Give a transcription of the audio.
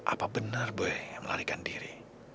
apa bener boy yang melarikan diri